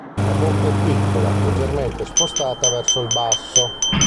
La bocca è piccola, leggermente spostata verso il basso.